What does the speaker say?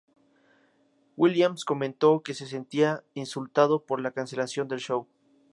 Williams comentó que se sentía "insultado" por la cancelación del show.